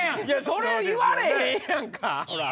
それ言われへんやんか！